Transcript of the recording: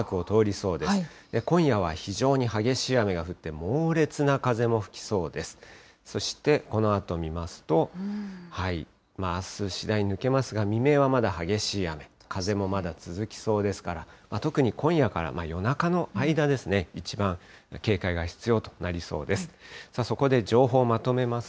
そして、このあと見ますと、あす、次第に抜けますが、未明はまだ激しい雨、風もまだ続きそうですから、特に今夜から夜中の間ですね、一番警戒が必要となりそうです。